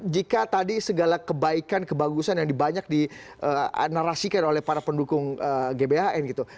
jika tadi segala kebaikan kebagusan yang dibanyak di narasikan oleh para pendukung gban gitu